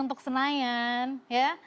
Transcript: untuk senayan ya